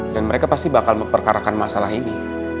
dan mereka pasti bakal memperkarakan masalah ini